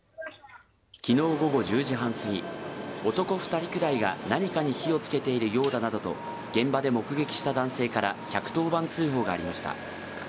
きのう午後１０時半過ぎ、男２人くらいが何かに火をつけているようだなどと、現場で目撃した男性から１１０番通報がありました。